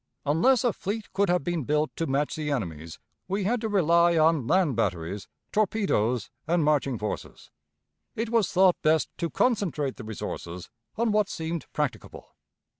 Unless a fleet could have been built to match the enemy's, we had to rely on land batteries, torpedoes, and marching forces. It was thought best to concentrate the resources on what seemed practicable.